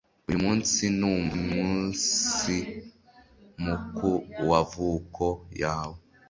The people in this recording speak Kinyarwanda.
uyu munsi numsi muku wavuko yawe